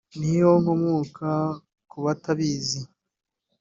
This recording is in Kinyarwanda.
niho nkomoka kubatabizi